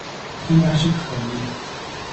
應該是可以